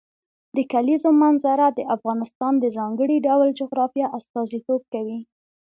د کلیزو منظره د افغانستان د ځانګړي ډول جغرافیه استازیتوب کوي.